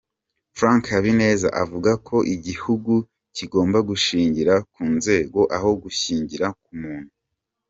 Frank Habineza avuga ko igihugu kigomba gushingira ku nzego aho gushingira k’umuntu.